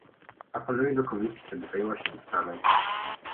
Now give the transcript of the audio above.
Apeluję do Komisji, żeby zajęła się ta sprawą